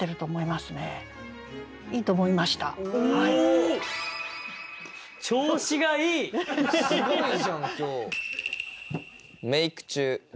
すごいじゃん今日。